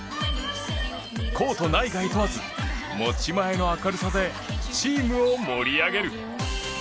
コート内外問わず持ち前の明るさでチームを盛り上げる。